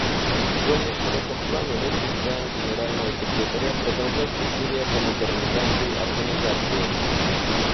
В более широком плане, мы призываем Генерального секретаря продолжать усилия по модернизации Организации.